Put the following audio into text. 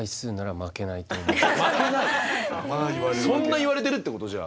そんな言われてるってこと？